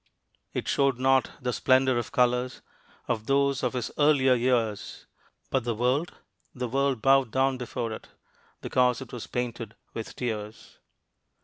It showed not the splendor of colors Of those of his earlier years, But the world? the world bowed down before it, Because it was painted with tears.